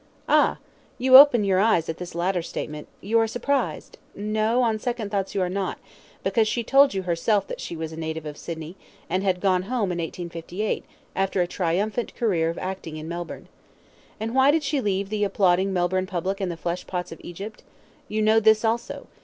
Ah! you open your eyes at this latter statement you are surprised no, on second thoughts you are not, because she told you herself that she was a native of Sydney, and had gone home in 1858, after a triumphant career of acting in Melbourne. And why did she leave the applauding Melbourne public and the flesh pots of Egypt? You know this also.